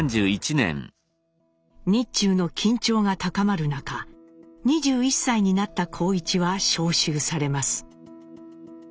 日中の緊張が高まる中２１歳になった幸一は召集されます。